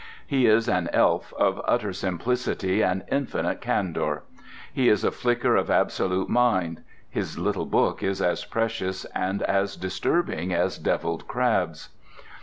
He is an elf of utter simplicity and infinite candour. He is a flicker of absolute Mind. His little book is as precious and as disturbing as devilled crabs.